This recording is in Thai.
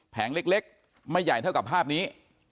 แงเล็กไม่ใหญ่เท่ากับภาพนี้